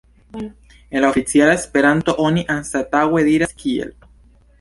En oficiala Esperanto oni anstataŭe diras "kiel".